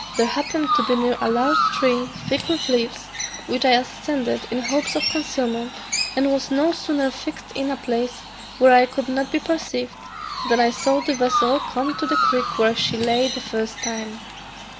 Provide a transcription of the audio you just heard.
There happened to be near a large tree thick with leaves, which I ascended in hopes of concealment, and was no sooner fixed in a place where I could not be perceived, than I saw the vessel come to the creek where she lay the first time.